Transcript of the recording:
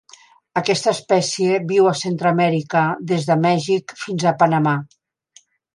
Aquesta espècie viu a Centreamèrica, des de Mèxic fins a Panamà.